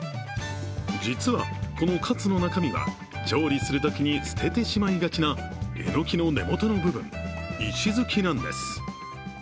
実は、このカツの中身は調理するときに捨ててしまいがちなえのきの根元の部分、石づきなんです。